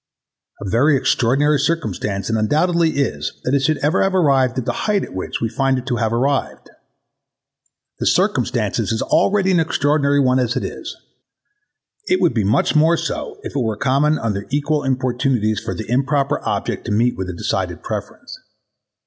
A very extraordinary circumstance it undoubtedly is that it should ever have arrived at the heighth at which we find it to have arrived. The circumstance is already an extraordinary one as it is: it would be much more so if it were common under equal importunities for the improper object to meet with a decided preference.